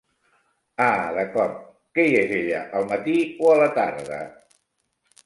Ah d'acord, que hi és ella al matí o a la tarda?